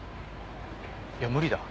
いや無理だ。